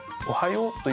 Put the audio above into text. おはよう。